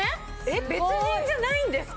別人じゃないんですか？